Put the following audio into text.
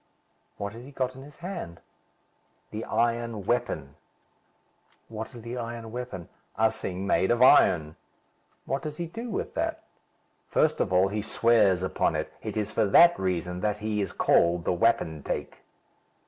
"What has he got in his hand?" "The iron weapon." "What is the iron weapon?" "A thing made of iron." "What does he do with that?" "First of all, he swears upon it. It is for that reason that he is called the wapentake."